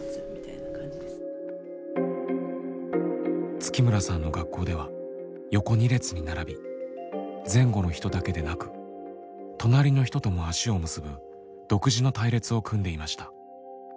月村さんの学校では横２列に並び前後の人だけでなく隣の人とも足を結ぶ独自の隊列を組んでいました。